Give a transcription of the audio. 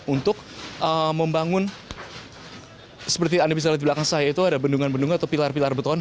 untuk membangun seperti anda bisa lihat di belakang saya itu ada bendungan bendungan atau pilar pilar beton